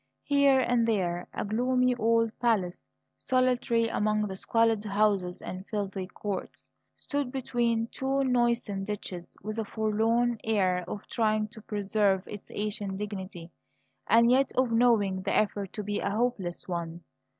Here and there a gloomy old palace, solitary among the squalid houses and filthy courts, stood between two noisome ditches, with a forlorn air of trying to preserve its ancient dignity and yet of knowing the effort to be a hopeless one.